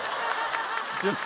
よし。